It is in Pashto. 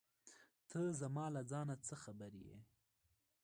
ته زما له زړۀ څه خبر یې.